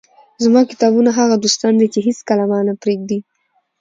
زما کتابونه هغه دوستان دي، چي هيڅکله مانه پرېږي.